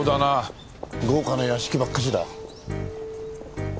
豪華な屋敷ばっかりだ。